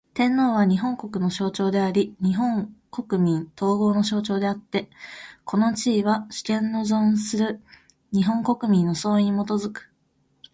天皇は、日本国の象徴であり日本国民統合の象徴であつて、この地位は、主権の存する日本国民の総意に基く。